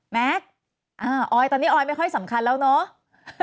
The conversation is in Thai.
แม็กซ์ออยตอนนี้ออยไม่ค่อยสำคัญแล้วเนาะ